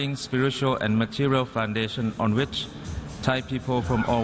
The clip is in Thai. ทรงงานผู้อาดิวัติสัตว์ที่เป็นผู้ทรงความแท้